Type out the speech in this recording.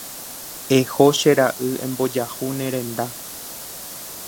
Eho che ra'y embojahu ne renda.